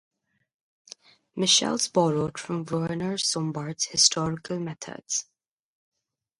Michels borrowed from Werner Sombart's historical methods.